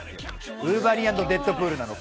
『ウルヴァリン』＆『デッドプール』なのか？